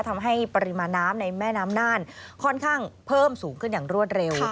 ทำให้ปริมาณน้ำในแม่น้ำน่านค่อนข้างเพิ่มสูงขึ้นอย่างรวดเร็ว